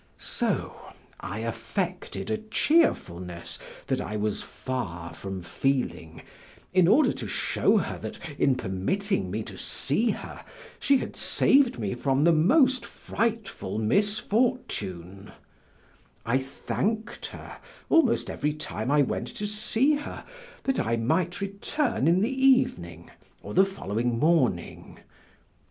So, I affected a cheerfulness that I was far from feeling, in order to show her that in permitting me to see her she had saved me from the most frightful misfortune; I thanked her, almost every time I went to see her that I might return in the evening or the following morning.